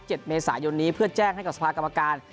เมษายนนี้เพื่อแจ้งให้กับสภากรรมการ